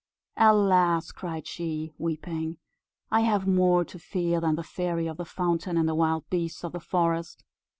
"Alas!" cried she, weeping, "I have more to fear than the Fairy of the Fountain, and the wild beasts of the forest.